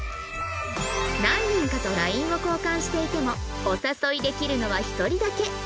何人かと ＬＩＮＥ を交換していてもお誘いできるのは１人だけ